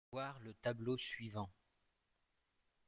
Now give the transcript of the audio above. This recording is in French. Voir le tableau suivant.